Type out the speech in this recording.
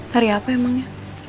hari apa emangnya